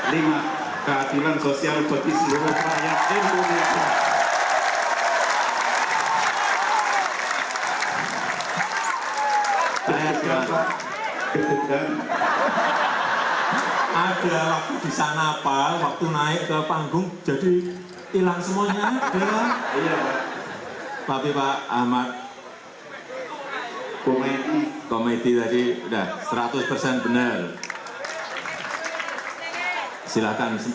lima keadilan sosial bagi seluruh rakyat indonesia